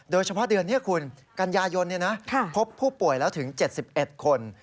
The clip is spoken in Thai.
โดยเฉพาะเดือนนี้คุณกันยายนพบผู้ป่วยแล้วถึง๗๑คน